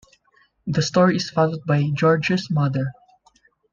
The story is followed by "George's Mother".